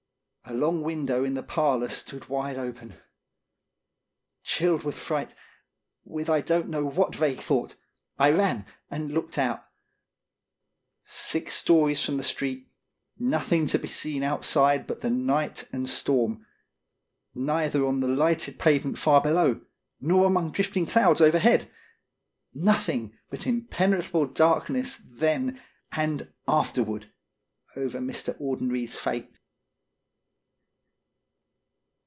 A long window in the parlor stood wide open. Chilled with fright, with I don't know what vague thought, I ran and looked out. Six stories from the street, nothing to be seen outside but the night and storm, neither on the lighted pavement far below, nor among drifting clouds overhead ! Nothing but impen etrable darkness then and afterward over Mr. Audenried's fate.